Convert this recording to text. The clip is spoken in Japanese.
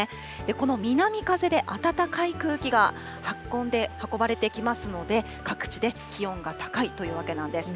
この南風で暖かい空気が運ばれてきますので、各地で気温が高いというわけなんです。